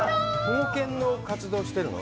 保護犬の活動してるの？